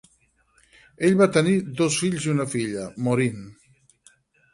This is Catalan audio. Ell va tenir dos fills i una filla, Maureen.